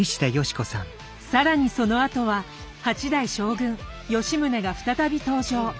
更にそのあとは八代将軍吉宗が再び登場。